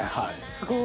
すごい。